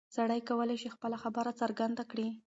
سړی کولی شي خپله خبره څرګنده کړي.